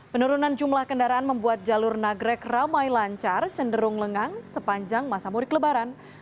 penurunan jumlah kendaraan membuat jalur nagrek ramai lancar cenderung lengang sepanjang masa mudik lebaran